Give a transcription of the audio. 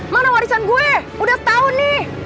mana warisan gue udah tau nih